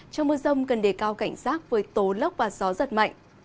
trong mưa rông cần đề cao cảnh giác với tố lốc và gió giật mạnh